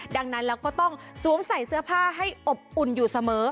ดังนั้นเราก็ต้องสวมใส่เสื้อผ้าให้อบอุ่นอยู่เสมอ